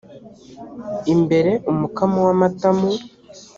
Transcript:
imbere umukamo w amata mu